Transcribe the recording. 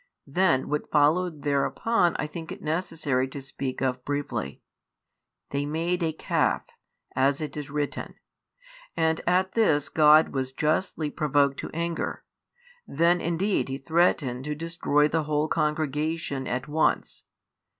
Then what followed thereupon I think it necessary to speak of briefly. They made a calf, as it is written, and at this God was justly provoked to anger: then indeed He threatened to destroy the whole congregation at once.